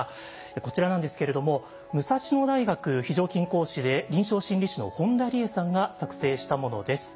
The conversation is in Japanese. こちらなんですけれども武蔵野大学非常勤講師で臨床心理士の本田りえさんが作成したものです。